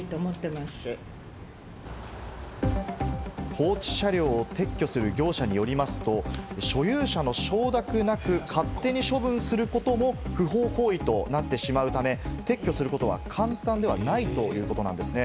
放置車両を撤去する業者によりますと、所有者の承諾がなく、勝手に処分することも不法行為となってしまうため、撤去することは簡単ではないということなんですね。